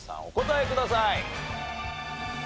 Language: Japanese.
お答えください。